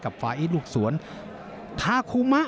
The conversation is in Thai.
กับฟ้าอีสลูกสวนทาคูมะ